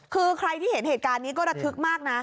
คือใครที่เห็นเหตุการณ์นี้ก็ระทึกมากนะ